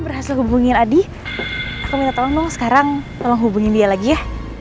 berhasil hubungin adi aku minta tolong dong sekarang tolong hubungin dia lagi ya